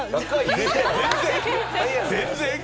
全然。